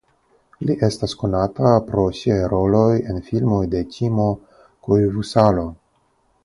Li estas konata pro siaj roloj en filmoj de Timo Koivusalo.